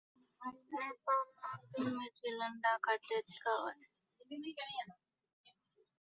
নেপাল নাগ জন্মেছিলেন ঢাকার তেজগাঁও-এ।